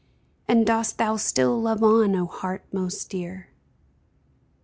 And dost thou still love on, O heart most dear